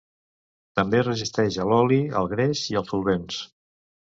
També resisteix a l'oli, el greix i els solvents.